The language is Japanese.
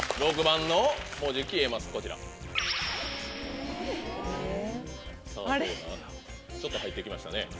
ちょっと入って来ましたね。